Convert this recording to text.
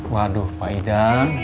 waduh pak idan